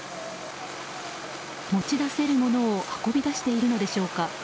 持ち出せるものを運び出しているのでしょうか。